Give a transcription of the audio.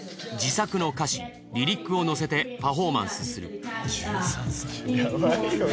自作の歌詞リリックをのせてパフォーマンスする。